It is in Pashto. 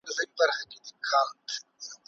هغه ناست دی